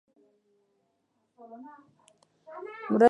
د مرستې وعده ونه کړي.